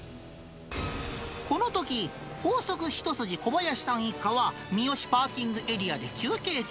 このとき、高速一筋、小林さん一家は、三芳パーキングエリアで休憩中。